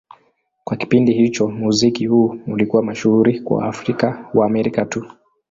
Kwa kipindi hicho, muziki huu ulikuwa mashuhuri kwa Waafrika-Waamerika tu.